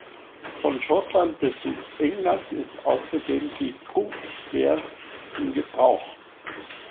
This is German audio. Von Schottland bis Südengland ist außerdem die Grooved Ware in Gebrauch.